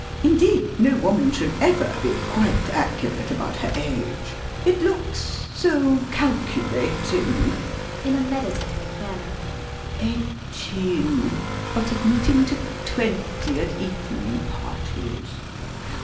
Indeed, no woman should ever be quite accurate about her age. It looks so calculating ... [In a meditative manner.] Eighteen, but admitting to twenty at evening parties.